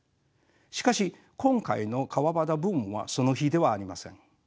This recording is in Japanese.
しかし今回の川端ブームはその比ではありません。